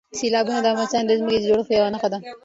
سیلابونه د افغانستان د ځمکې د جوړښت یوه نښه ده.